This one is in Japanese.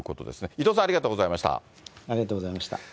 伊藤さん、ありがとうございましありがとうございました。